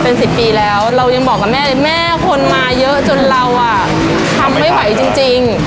เป็น๑๐ปีแล้วเรายังบอกกับแม่เลยแม่คนมาเยอะจนเราอ่ะทำไม่ไหวจริง